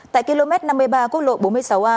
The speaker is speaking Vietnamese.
tại km năm mươi ba quốc lộ bốn mươi sáu a